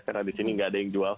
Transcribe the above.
karena di sini nggak ada yang jual